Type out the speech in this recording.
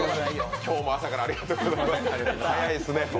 今日も朝からありがとうございます。